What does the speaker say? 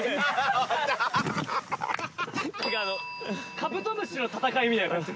カブトムシの戦いみたいな感じ。